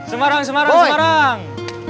semarang semarang semarang